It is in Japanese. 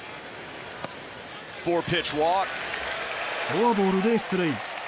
フォアボールで出塁。